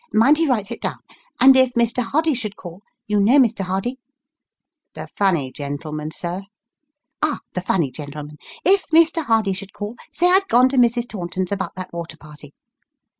Mind he writes it down ; and if Mr. Hardy should call you know Mr. Hardy ?"" The funny gentleman, sir ?"" Ah ! the funny gentleman. If Mr. Hardy should call, say I've gone to Mrs. Taunton's about that water party."